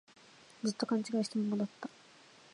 ずっと勘違いしたままだった